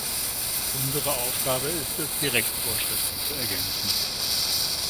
Unsere Aufgabe ist es, die Rechtsvorschriften zu ergänzen.